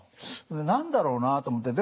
それで何だろうなと思って。